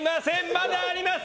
まだあります。